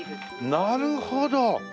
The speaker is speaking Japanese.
なるほど！